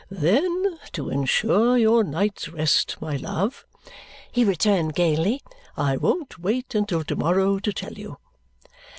"Then to ensure your night's rest, my love," he returned gaily, "I won't wait until to morrow to tell you.